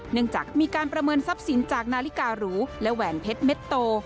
เนื่องจากมีการประเมินทรัพย์สินจากนาฬิการูและแหวนเพชรเม็ดโต